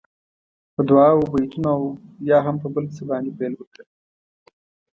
په دعاوو، بېتونو او یا هم په بل څه باندې پیل وکړه.